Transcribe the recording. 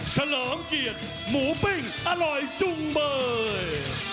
สลองเกียร์หมูปิ้งอร่อยจุงเบย์